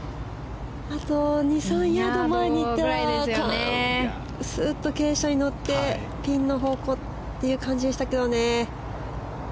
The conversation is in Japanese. あと２３ヤード前に行ったらすっと傾斜に乗ってピンの方向という感じでしたけどね。